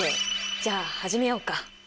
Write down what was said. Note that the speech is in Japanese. じゃあ始めようか。